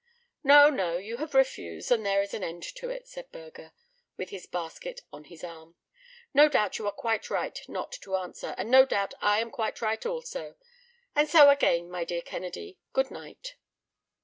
"No, no; you have refused, and there is an end of it," said Burger, with his basket on his arm. "No doubt you are quite right not to answer, and no doubt I am quite right also—and so again, my dear Kennedy, good night!"